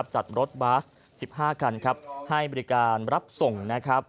จัดรถบัส๑๕คันครับให้บริการรับส่งนะครับ